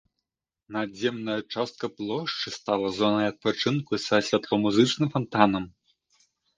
Надземная частка плошчы стала зонай адпачынку са святломузычным фантанам.